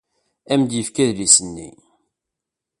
Ad am-d-yefk adlis-nni.